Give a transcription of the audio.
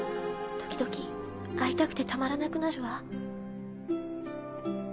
時々会いたくてたまらなくなるわ。